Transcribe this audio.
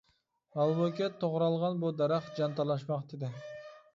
ھالبۇكى، توغرالغان بۇ دەرەخ جان تالاشماقتا ئىدى!